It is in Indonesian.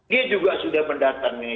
dia juga sudah mendatangi